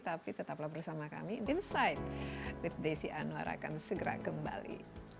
tapi tetaplah bersama kami insight with desi anwar akan segera kembali